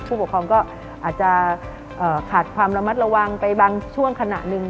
ผู้ปกครองก็อาจจะขาดความระมัดระวังไปบางช่วงขณะหนึ่ง